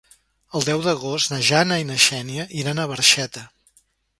El deu d'agost na Jana i na Xènia iran a Barxeta.